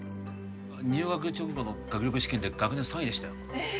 入学直後の学力試験で学年３位でしたよえ